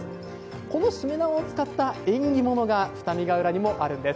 このしめ縄を使った縁起物が二見ヶ浦にもあるんです。